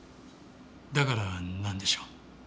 だからなんでしょう？